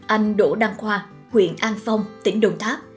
anh đỗ đăng khoa huyện an phong tỉnh đồng tháp